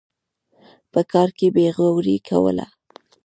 په کار کې بېغوري کوله.